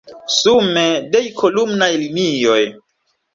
Sume, dek kolumnaj linioj.